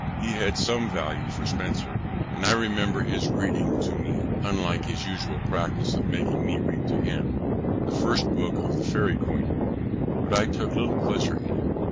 He had some value for Spenser, and I remember his reading to me (unlike his usual practice of making me read to him) the first book of the Fairie Queene; but I took little pleasure in it.